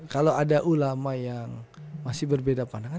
kalau ada ulama yang masih berbeda pandangan